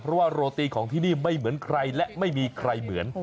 เพราะว่าโรตีของที่นี่ไม่เหมือนใครและไม่มีใครเหมือน